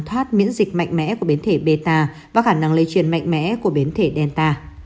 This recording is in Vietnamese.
thoát miễn dịch mạnh mẽ của biến thể beta và khả năng lây truyền mạnh mẽ của biến thể delta